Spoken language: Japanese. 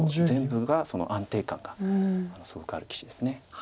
全部が安定感がすごくある棋士です。